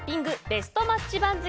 ベストマッチ番付。